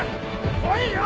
来いよ。